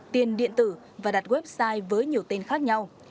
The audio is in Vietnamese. tiền điện tử và đặt website với nhiều tên khác nhau